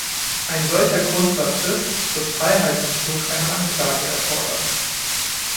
Ein solcher Grundsatz ist, dass Freiheitsentzug eine Anklage erfordert.